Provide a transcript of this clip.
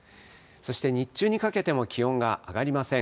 そして日中にかけても気温が上がりません。